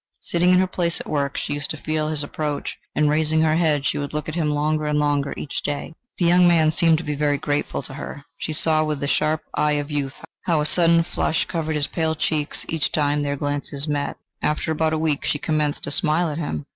Sitting in her place at work, she used to feel his approach; and raising her head, she would look at him longer and longer each day. The young man seemed to be very grateful to her: she saw with the sharp eye of youth, how a sudden flush covered his pale cheeks each time that their glances met. After about a week she commenced to smile at him...